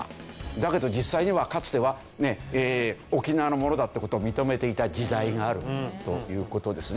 だけど実際にはかつては沖縄のものだって事を認めていた時代があるという事ですね。